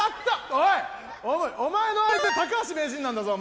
おいお前の相手高橋名人なんだぞ